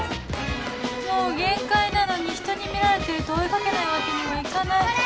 もう限界なのにひとに見られてると追い掛けないわけにはいかない